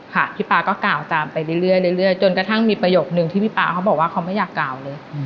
พี่ป๊าก็กล่าวตามไปเรื่อยจนกระทั่งมีประโยคนึงที่พี่ป๊าเขาบอกว่าเขาไม่อยากกล่าวเลย